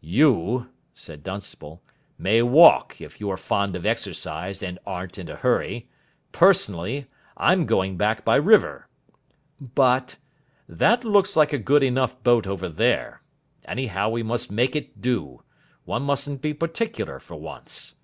"You," said Dunstable, "may walk if you are fond of exercise and aren't in a hurry. Personally, I'm going back by river." "But " "That looks a good enough boat over there. Anyhow, we must make it do. One mustn't be particular for once."